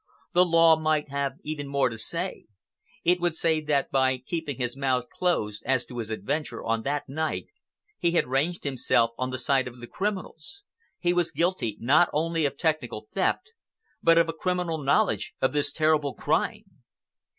The law might have even more to say. It would say that by keeping his mouth closed as to his adventure on that night he had ranged himself on the side of the criminals,—he was guilty not only of technical theft, but of a criminal knowledge of this terrible crime.